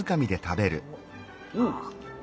うん。